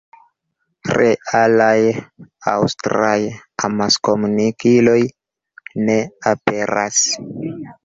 Realaj aŭstraj amaskomunikiloj ne aperas.